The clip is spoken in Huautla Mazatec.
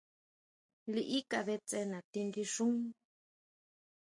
Liʼí kabʼe tse natí guixún.